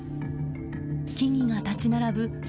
木々が立ち並ぶ